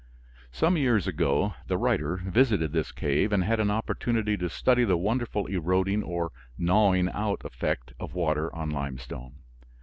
Some years ago the writer visited this cave and had an opportunity to study the wonderful eroding or gnawing out effect of water on limestone.